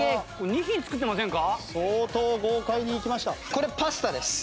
これパスタです。